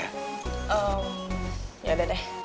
ya yaudah deh